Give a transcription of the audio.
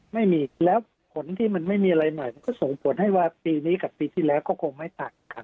ไม่มีแล้วผลที่มันไม่มีอะไรใหม่มันก็ส่งผลให้ว่าปีนี้กับปีที่แล้วก็คงไม่ต่างครับ